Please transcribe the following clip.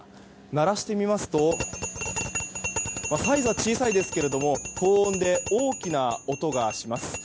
鳴らしてみますとサイズは小さいですけども高音で大きな音がします。